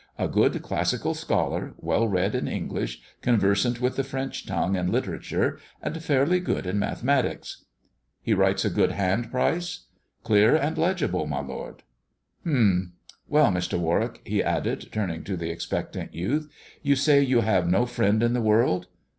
A good classical scholar, well read in English, conversant with the French tongue and literature, and fairly good in mathematics." He writes a good hand, Pryce 1 " Clear and legible, my lord." Humph ! Well, Mr. Warwick," he added, turning to the expectant youth, " you say you have no friend in the world."